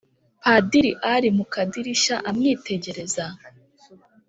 padili ali mu kadilishya amwitegereza,